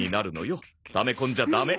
ため込んじゃダメ！